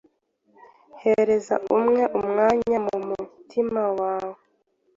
Hereza umwe umwanya mumutima wawe,